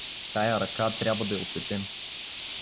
— Тая ръка трябва да я отсечем!